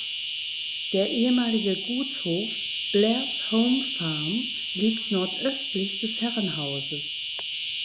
Der ehemalige Gutshof Blairs Home Farm liegt nordöstlich des Herrenhauses.